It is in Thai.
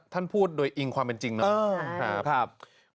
ท่านพูดด้วยอิงความเป็นจริงนะครับ